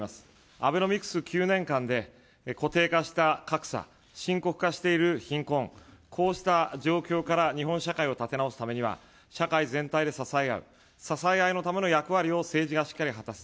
アベノミクス９年間で固定化した格差、深刻化している貧困、こうした状況から日本社会を立て直すためには、社会全体で支え合う、支え合いのための役割を政治がしっかり果たす。